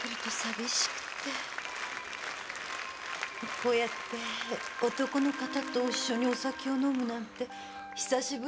こうやって男の方と一緒にお酒を飲むなんて久しぶり。